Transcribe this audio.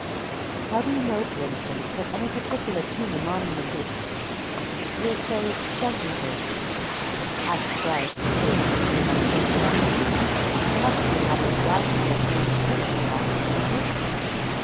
"How do you know, for instance, that any particular tomb or monument is, we'll say, Jenkins's?" asked Bryce, feeling that he was on safe ground. "Must be a matter of doubt if there's no inscription left, isn't it?"